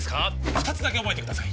二つだけ覚えてください